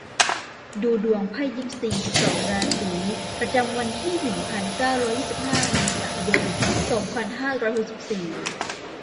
ดูดวงไพ่ยิปซี สิบสอง ราศี ประจำวันที่ หนึ่งพันเก้าร้อยยี่สิบห้า เมษายน สองพันห้าร้อยหกสิบสี่